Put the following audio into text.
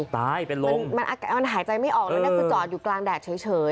ตายเป็นลมมันหายใจไม่ออกแล้วนะคือจอดอยู่กลางแดดเฉย